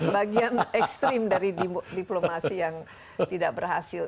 bagian ekstrim dari diplomasi yang tidak berhasil